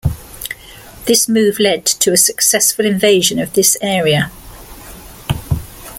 This move led to a successful invasion of this area.